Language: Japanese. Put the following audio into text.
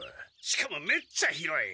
しかもめっちゃ広い！